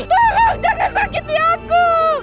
tolong jangan sakiti aku